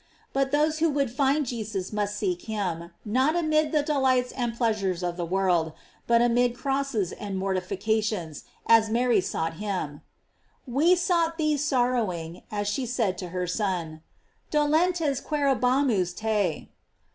But those who would find Jesus must seek him, not amid the delights and pleasures of the world, but amid crosses and mortifications, as Mary sought him: We sought thee sorrowing, as she said to her Son: "Dolentes quasrebamus te.5?